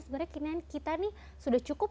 sebenarnya keinginan kita nih sudah cukup